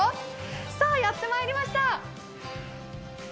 さぁ、やってまいりました。